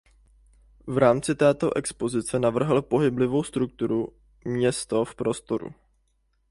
V rámci této expozice navrhl pohyblivou strukturu Město v prostoru.